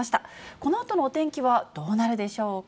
このあとのお天気はどうなるでしょうか。